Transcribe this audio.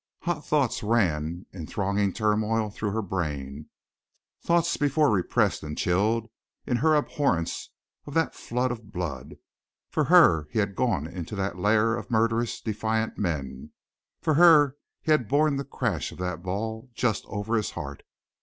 Hot thoughts ran in thronging turmoil through her brain, thoughts before repressed and chilled in her abhorrence of that flood of blood. For her he had gone into that lair of murderous, defiant men, for her he had borne the crash of that ball just over his heart.